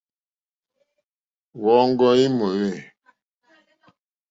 Wɔ̂ŋɡɔ́ í mòwê.